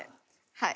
はい。